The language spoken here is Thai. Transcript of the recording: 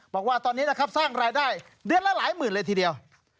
บอกว่าตอนนี้นะครับสร้างรายได้เดือนละหลายหมื่นเลยทีเดียว